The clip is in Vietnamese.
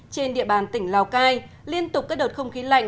trên địa bàn tỉnh lào cai liên tục các đợt không khí lạnh